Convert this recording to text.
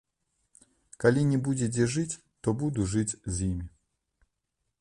Калі не будзе дзе жыць, то буду жыць з імі.